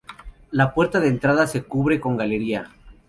La puerta de entrada se cubre con galería.